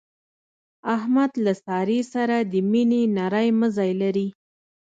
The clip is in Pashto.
احمد له سارې سره د مینې نری مزی لري.